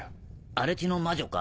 荒地の魔女か？